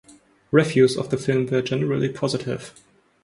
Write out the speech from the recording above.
Reviews of the film were generally positive.